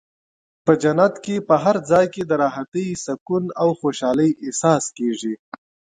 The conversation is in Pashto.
په جنت کې په هر ځای کې د راحتۍ، سکون او خوشحالۍ احساس کېږي.